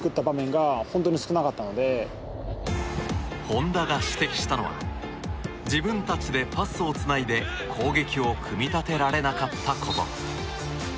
本田が指摘したのは自分たちでパスをつないで攻撃を組み立てられなかったこと。